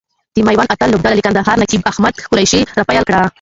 د ميوند اتلان لوبډله له کندهاره نقیب احمد قریشي را پیل کړه.